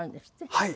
はい。